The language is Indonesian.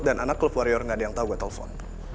dan anak klub warrior gak ada yang tau gue telepon